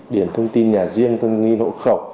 điền thông tin nhà riêng thông tin hộ khẩu